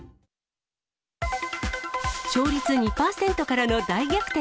勝率２％からの大逆転。